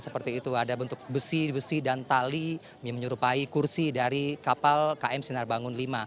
seperti itu ada bentuk besi besi dan tali yang menyerupai kursi dari kapal km sinar bangun v